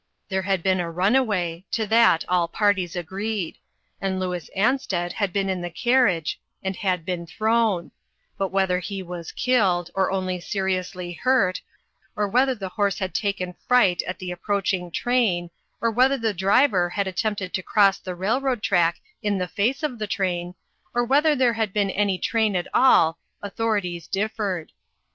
There had been a runaway to that all parties agreed ; and Louis Ansted had been in the carriage, and had been thrown ; but whether he was killed, or onty seriously hurt, or whether the horse had taken fright at the approaching train, or whether the driver had attempted to cross the railroad track in the face of the train, or whether there had been any train at all, authorities differed.